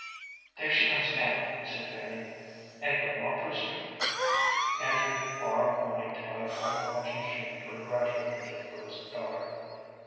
"There she comes now," said Fanny, "and Grandma Brewster." Andrew borrowed money to buy a gold watch and chain for a graduating gift for his daughter.